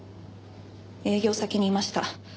営業先にいました。